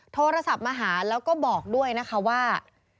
โทรศัพท์มาหาแล้วก็บอกด้วยนะคะว่า